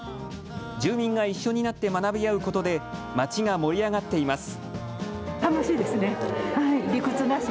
住民が一緒になって学び合うことで町が盛り上がっています。